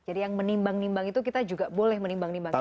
jadi yang menimbang nimbang itu kita juga boleh menimbang nimbang